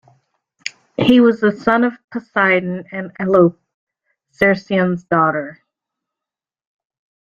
He was the son of Poseidon and Alope, Cercyon's daughter.